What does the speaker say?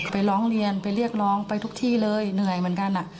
ร้องเรียนไปเรียกร้องไปทุกที่เลยเหนื่อยเหมือนกัน